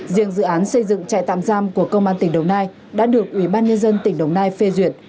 riêng dự án xây dựng trại tạm giam của công an tỉnh đồng nai đã được ủy ban nhân dân tỉnh đồng nai phê duyệt